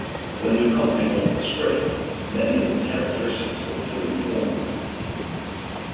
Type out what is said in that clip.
When Duchovny got the script many of his characteristics were "fully formed".